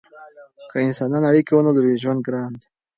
که انسانان اړیکې ونلري ژوند ګران دی.